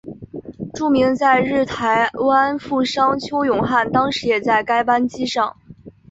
著名在日台湾富商邱永汉当时也在该班机上。